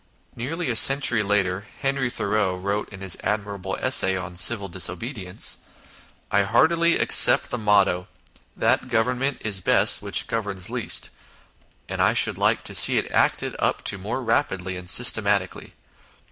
Nearly a century later Henry Thoreau wrote in his admirable essay on " Civil Disobedience "" I heartily accept the motto ' That Govern ment is best which governs least '; and I should like to see it acted up to more rapidly and systematically.